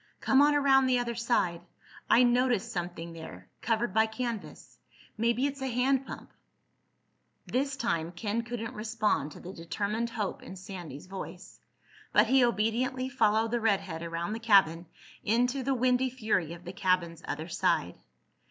"Come on around the other side. I noticed something there—covered by canvas. Maybe it's a hand pump." This time Ken couldn't respond to the determined hope in Sandy's voice. But he obediently followed the redhead around the cabin into the windy fury of the cabin's other side.